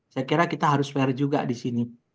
saya kira kita harus fair juga di sini